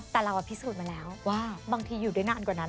แต่เราพิสูจน์มาแล้วว่าบางทีอยู่ได้นานกว่านั้น